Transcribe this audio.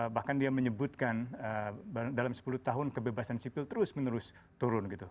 bahkan dia menyebutkan dalam sepuluh tahun kebebasan sipil terus menerus turun gitu